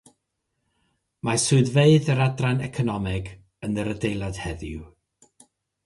Mae swyddfeydd yr Adran Economeg yn yr adeilad heddiw.